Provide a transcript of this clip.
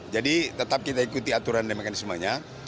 jadi tetap kita ikuti aturan dan mekanismenya